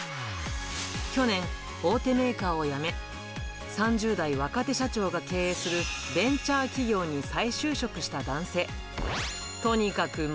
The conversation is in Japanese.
去年、大手メーカーを辞め、３０代若手社長が経営するベンチャー企業に再就職した男性。